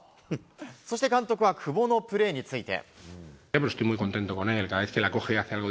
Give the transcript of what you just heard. そして監督は久保のプレーについて。